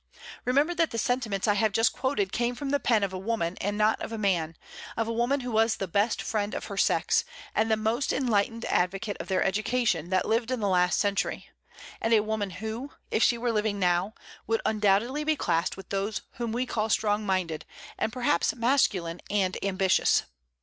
remember that the sentiments I have just quoted came from the pen of a woman, and not of a man; of a woman who was the best friend of her sex, and the most enlightened advocate of their education that lived in the last century; and a woman who, if she were living now, would undoubtedly be classed with those whom we call strong minded, and perhaps masculine and ambitious.